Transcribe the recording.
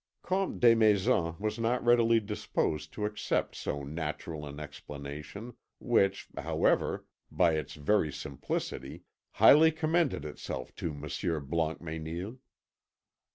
Comte Desmaisons was not readily disposed to accept so natural an explanation, which, however, by its very simplicity, highly commended itself to Monsieur Blancmesnil.